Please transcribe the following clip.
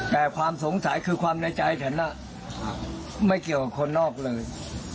แต่ความสงสัยคือความในใจฉันไม่เกี่ยวกับคนนอกเลย